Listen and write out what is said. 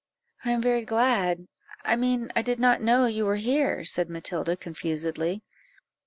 "I am very glad I mean I did not know you were here," said Matilda confusedly.